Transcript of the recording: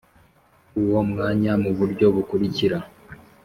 uwo mwanya muburyo bukurikira